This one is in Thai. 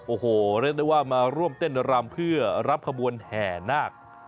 โอ้โหเรียกได้ว่ามาร่วมเต้นรำเพื่อรับขบวนแห่นาค